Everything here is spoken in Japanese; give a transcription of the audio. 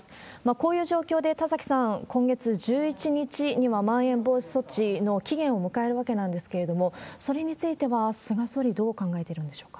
こういう状況で、田崎さん、今月１１日にはまん延防止措置の期限を迎えるわけなんですけれども、それについては菅総理、どう考えてるんでしょうか？